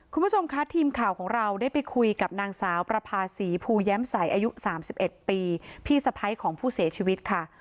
คุณผู้ชมคะทีมข่าวของเราได้ไปคุยกับนางสาวประภาษีภูแย้มใสอายุ๓๑ปีพี่สะพ้ายของผู้เสียชีวิตค่ะ